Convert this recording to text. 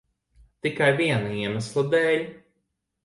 Tikai viena iemesla dēļ.